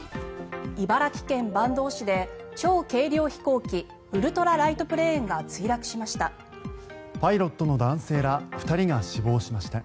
茨城県坂東市で超軽量飛行機ウルトラライトプレーンが墜落しました。